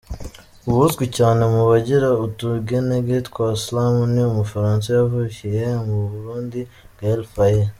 Uwuzwi cane mu bagira utugenege twa Slam ni umufaransa yavukiye mu Burundi, Gael Faye.